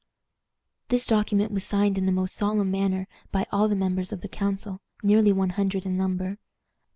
This document was signed in the most solemn manner by all the members of the council, nearly one hundred in number.